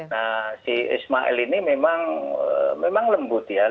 nah si ismail ini memang lembut ya